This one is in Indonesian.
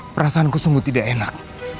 perasaanku sungguh tidak enak